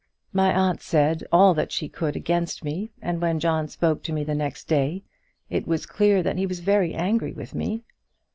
"My aunt said all that she could against me, and when John spoke to me the next day, it was clear that he was very angry with me."